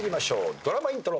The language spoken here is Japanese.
ドラマイントロ。